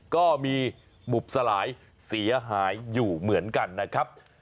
ก็มีหมุบสลายเสียหายอยู่เหมือนกันนะครับ